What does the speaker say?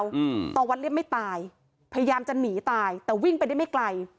อืมตะวัดเรียบไม่ตายพยายามจะหนีตายแต่วิ่งไปได้ไม่ไกล